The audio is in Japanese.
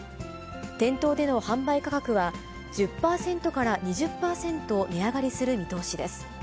店頭での販売価格は１０％から２０％値上がりする見通しです。